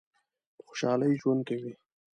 په خوشحالی ژوند کوی؟